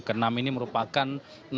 ke enam ini merupakan